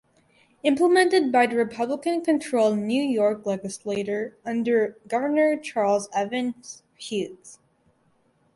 Implemented by the Republican controlled New York Legislature under Governor Charles Evans Hughes.